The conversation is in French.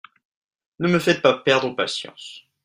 Ne me faites pas perdre patience.